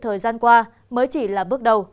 thời gian qua mới chỉ là bước đầu